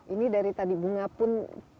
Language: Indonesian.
ini dari tadi bunga pun